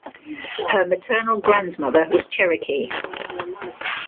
Her maternal grandmother was Cherokee.